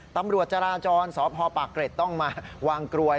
ตำรวจจราจรสพปากเกร็ดต้องมาวางกลวย